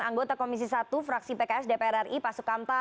anggota komisi satu fraksi pks dpr ri pak sukamta